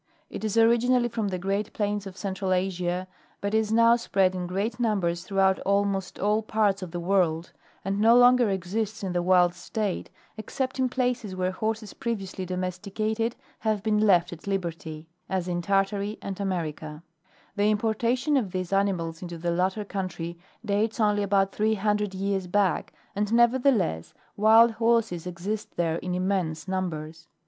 It is originally from the great plains of central Asia, but is now spread in great numbers throughout almost all parts of the world, and no longer exists in the wild state, except in places where horses, previously domesti cated, have been left at liberty, as in Tartary and America ; the importation of these animals into the latter country dates only about three hundred years back, and, nevertheless, wild horses exist there in immense numbers.